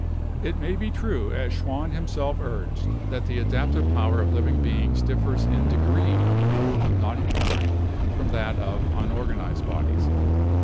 "It may be true, as Schwann himself urged, that the adaptive power of living beings differs in degree only, not in kind, from that of unorganized bodies.